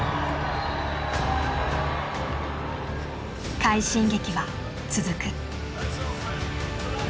快進撃は続く。